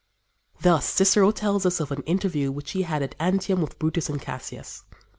Thus, Cicero tells us of an interview which he had at Antium with Brutus and Cassius.